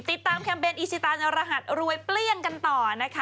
แคมเปญอีชิตานรหัสรวยเปลี้ยงกันต่อนะคะ